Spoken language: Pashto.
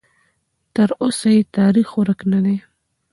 تراوسه یې تاریخ ورک نه دی.